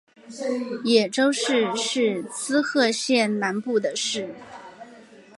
野洲市是滋贺县南部的市。